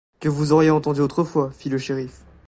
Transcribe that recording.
Que vous auriez entendu autrefois, fit le shériff.